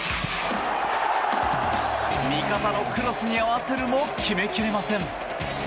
味方のクロスに合わせるも決めきれません。